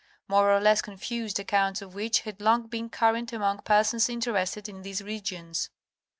more or less confused accounts of which had long been current among persons interested in these regions.